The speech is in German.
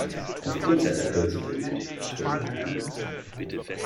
Aufgrund seiner Kürze benötigt der Tunnel keine Lüfter.